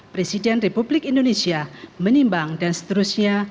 presiden republik indonesia menimbang dan seterusnya